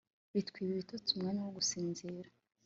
bitwiba ibitotsi, umwanya wo gusinzira